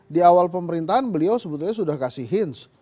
di awal pemerintahan beliau sebetulnya sudah kasih hints